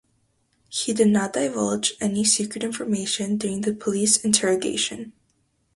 He did not divulge any secret information during the police interrogation.